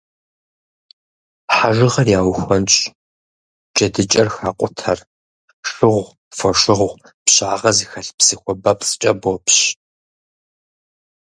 Хьэжыгъэр яухуэнщӏ, джэдыкӏэр хакъутэр шыгъу, фошыгъу, пщагъэ зыхэлъ псы хуабэпцӏкӏэ бопщ.